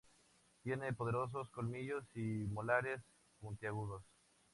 Tiene poderosos colmillos y molares puntiagudos.